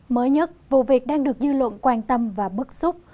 mới nhất vụ việc đang được dư luận quan tâm và bức xúc